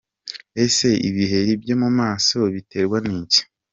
Ese ibiheri byo mu maso biterwa n’iki?.